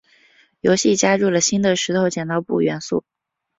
游戏加入了新的石头剪刀布元素。